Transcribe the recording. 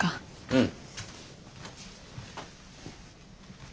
うん。